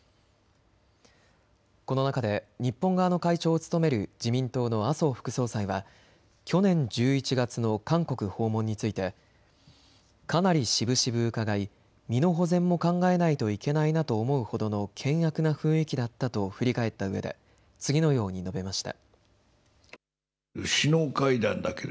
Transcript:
この中で日本側の会長を務める自民党の麻生副総裁は去年１１月の韓国訪問についてかなりしぶしぶ伺い、身の保全も考えないといけないなと思うほどの険悪な雰囲気だったと振り返ったうえで次のように述べました。